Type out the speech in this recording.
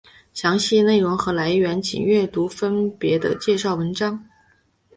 详细内容和来源请阅读分别的介绍文章。